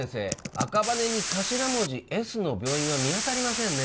赤羽に頭文字Ｓの病院は見当たりませんね